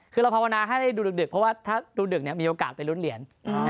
คือเราภาวนาให้ได้ดูดึกเพราะว่าถ้าดูดึกมีโอกาสไปลุ้นเหรียญ